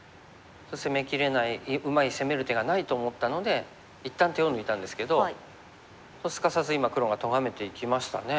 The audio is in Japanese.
攻めきれないうまい攻める手がないと思ったので一旦手を抜いたんですけどすかさず今黒がとがめていきましたね。